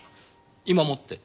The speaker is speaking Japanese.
今もって？